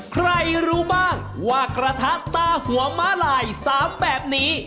รู้บ้างว่ากระทะตาหัวม้าลาย๓แบบนี้